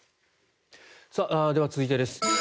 では、続いてです。